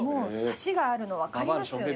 サシがあるの分かりますよね